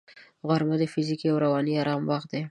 غرمه د فزیکي او رواني آرام وخت دی